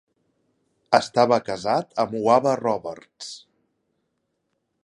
Estava casat amb Wava Roberts.